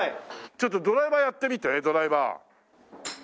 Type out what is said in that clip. ちょっとドライバーやってみてドライバー。